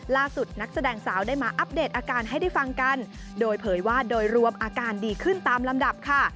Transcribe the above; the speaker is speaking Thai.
นักแสดงสาวได้มาอัปเดตอาการให้ได้ฟังกันโดยเผยว่าโดยรวมอาการดีขึ้นตามลำดับค่ะ